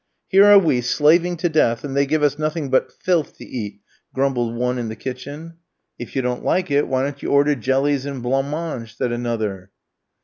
"Here are we slaving to death, and they give us nothing but filth to eat," grumbled one in the kitchen. "If you don't like it, why don't you order jellies and blanc mange?" said another.